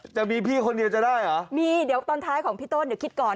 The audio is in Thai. จะมีพี่คนเดียวจะได้เหรอมีเดี๋ยวตอนท้ายของพี่ต้นเดี๋ยวคิดก่อน